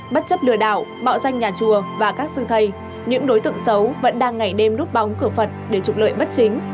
bất chấp lừa đảo mạo danh nhà chùa và các sư thầy những đối tượng xấu vẫn đang ngày đêm rút bóng cửa phật để trục lợi bất chính